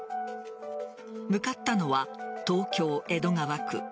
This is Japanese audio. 向かったのは、東京・江戸川区。